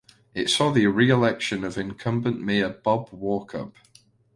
It saw the reelection of incumbent mayor Bob Walkup.